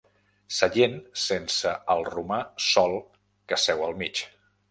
Seient sense el romà sol que seu al mig.